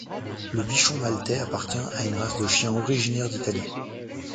Le bichon maltais appartient à une race de chien originaire d'Italie.